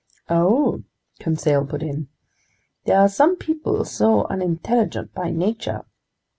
"Oh," Conseil put in, "there are some people so unintelligent by nature